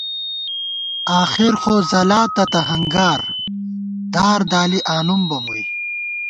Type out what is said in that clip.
آخېرخو ځلاتہ تہ ہنگار، دار دالی آنُم بہ مُوئی